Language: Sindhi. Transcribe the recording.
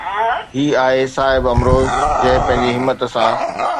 هي آهي صاحب امروز جنهن پنهنجي همت سان